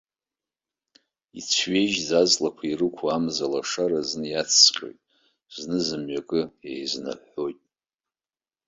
Ицәҩежьӡа аҵлақәа ирықәу амза лашара зны иацҵҟьоит, зны зымҩакы еизнаҳәҳәоит.